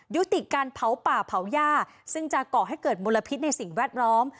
ยุติการเผาป่าเผาย่าซึ่งจะก่อให้เกิดมลพิษในสิ่งแวดล้อม